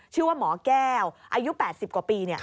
ชื่อว่าหมอแก้วอายุ๘๐กว่าปี